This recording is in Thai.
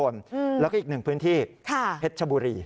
แล้วก็อีกหนึ่งพื้นที่เพชรชบุรี